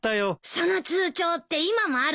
その通帳って今もあるの？